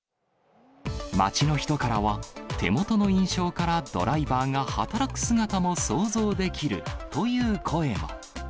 街の人からは、手元の印象から、ドライバーが働く姿も想像できるという声も。